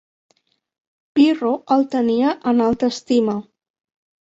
Pirro el tenia en alta estima.